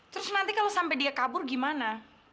terus nanti kalau sampai dia kabur gimana